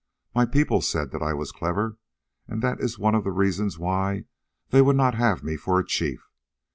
My people said that I was clever, and that is one of the reasons why they would not have me for a chief.